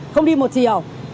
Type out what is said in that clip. không đi một chiều